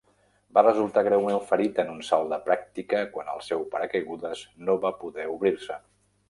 Va resultar greument ferit en un salt de pràctica quan el seu paracaigudes no va poder obrir-se.